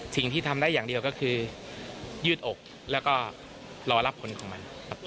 สิ่งที่ทำได้อย่างเดียวก็คือยืดอกแล้วก็รอรับผลของมันครับ